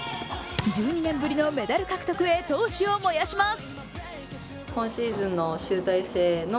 １２年ぶりのメダル獲得へ闘志を燃やします。